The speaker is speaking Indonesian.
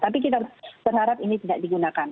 tapi kita berharap ini tidak digunakan